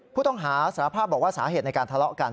ผู้ต้องหาสารภาพบอกว่าสาเหตุในการทะเลาะกัน